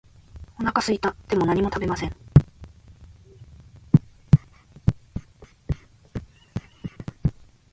お腹すいた。でも何も食べません。